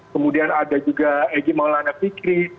kemudian ada juga egy maulana fikri